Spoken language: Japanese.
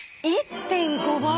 １．５倍？